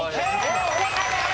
正解です。